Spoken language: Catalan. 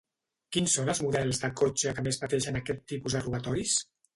Quins són els models de cotxe que més pateixen aquest tipus de robatoris?